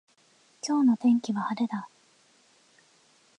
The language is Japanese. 今日の天気は晴れだ。